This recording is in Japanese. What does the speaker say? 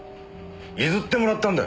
譲ってもらったんだよ。